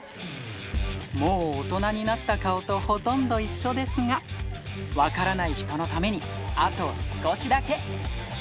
もう大人になった顔とほとんど一緒ですが、分からない人のために、あと少しだけ。